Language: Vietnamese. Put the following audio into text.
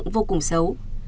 vô cùng xấu